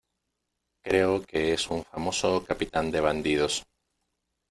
creo que es un famoso capitán de bandidos.